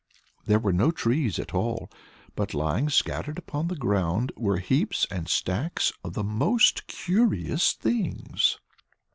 There were no trees at all, but lying scattered upon the ground were heaps and stacks of the most curious things.